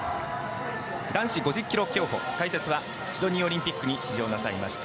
男子５０ｋｍ競歩解説はシドニーオリンピックに出場なさいました